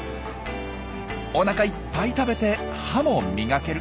おなかいっぱい食べて歯も磨ける。